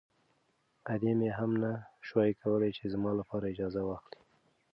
ادې مې هم نه شوای کولی چې زما لپاره اجازه واخلي.